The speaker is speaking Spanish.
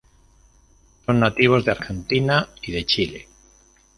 Son nativos de Argentina y de Chile.